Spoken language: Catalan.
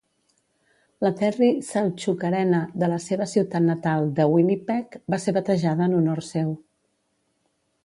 La Terry Sawchuk Arena de la seva ciutat natal de Winnipeg va ser batejada en honor seu.